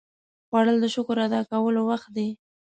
خوړل د شکر ادا کولو وخت دی